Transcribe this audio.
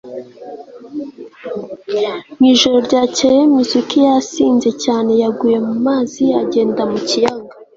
Mu ijoro ryakeye Mizuki yasinze cyane yaguye mu mazi agenda mu kiyaga